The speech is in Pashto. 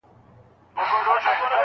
ما خو له خلوته لا پخوا توبه ایستلې وه